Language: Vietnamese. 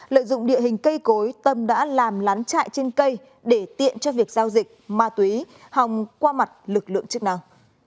lợi dụng địa hình cây cối tâm đã làm lán chạy trên cây để tiện cho việc giao dịch ma túy hòng qua mặt lực lượng chức năng